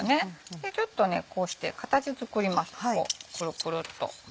でちょっとこうして形作りますクルクルっと。